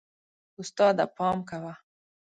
استاده، پام کوه.